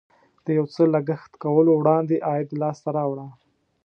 د یو څه لګښت کولو وړاندې عاید لاسته راوړه.